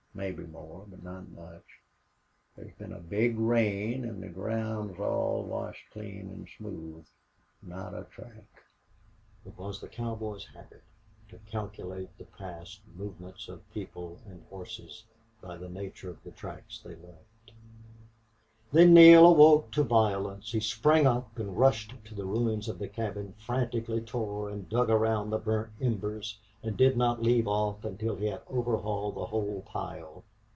Mebbe more, but not much. There's been a big rain an' the ground's all washed clean an' smooth ... Not a track!" It was the cowboy's habit to calculate the past movements of people and horses by the nature of the tracks they left. Then Neale awoke to violence. He sprang up and rushed to the ruins of the cabin, frantically tore and dug around the burnt embers, and did not leave off until he had overhauled the whole pile.